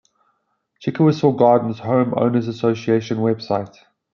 Chickasaw Gardens Home Owners Association website.